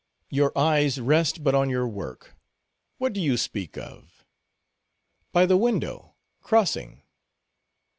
"Your eyes rest but on your work; what do you speak of?" "By the window, crossing."